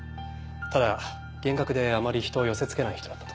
ただ厳格であまり人を寄せつけない人だったとか。